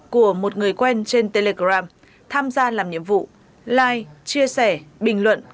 của một người quen trên telegram tham gia làm nhiệm vụ like chia sẻ bình luận